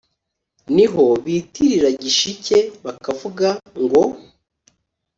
ni ho bitirira gishike, bakavuga, ngo: